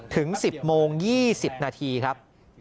ถึง๑๐โมง๒๐นาทีครับ